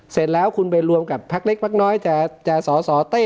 เสร็จแล้วคุณไปร่วมกับภาครักษ์เล็กภาครักษ์น้อยชาสอสอเต้